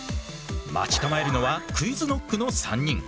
待ち構えるのはＱｕｉｚＫｎｏｃｋの３人。